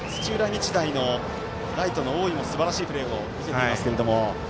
日大のライトの大井もすばらしいプレーを見せていますけれども。